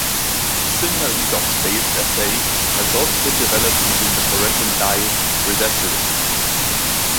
A similar redox-based assay has also been developed using the fluorescent dye, resazurin.